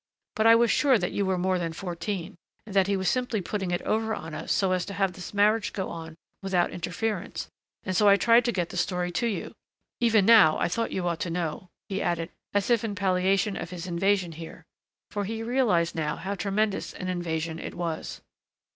But I was sure that you were more than fourteen, and that he was simply putting it over on us so as to have this marriage go on without interference and so I tried to get the story to you. Even now I thought you ought to know," he added, as if in palliation of his invasion here. For he realized now how tremendous an invasion it was.